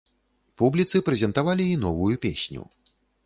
Публіцы прэзентавалі і новую песню.